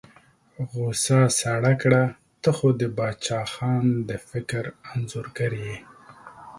غوسه سړه کړه، ته خو د باچا خان د فکر انځورګر یې.